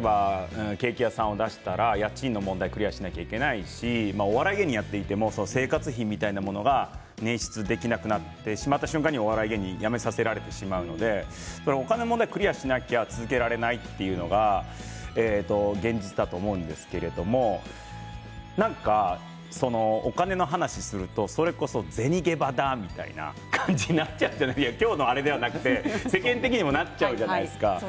ケーキ屋さんを出したら家賃の問題をクリアしないといけないしお笑い芸人をやっていても生活費みたいなものを捻出できなくなってしまった瞬間に、お笑い芸人やめさせられてしまうのでお金の問題をクリアしないと続けられないというのか現実だと思うんですけどもお金の話をすると銭ゲバだとかいう感じになって今日のあれではなくて世間的になっちゃうじゃないですか。